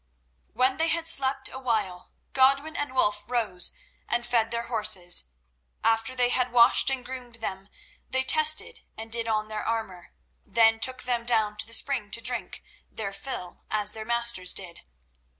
When they had slept awhile, Godwin and Wulf rose and fed their horses. After they had washed and groomed them, they tested and did on their armour, then took them down to the spring to drink their fill, as their masters did.